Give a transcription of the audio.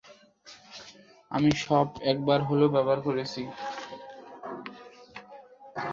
আমি সব একবার হলেও ব্যবহার করেছি।